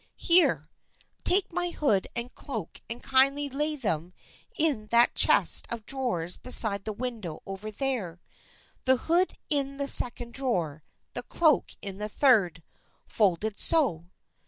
Here ! Take my hood and cloak and kindly lay them in that chest of drawers beside the window over there. The hood in the second drawer, the cloak in the third. Folded so."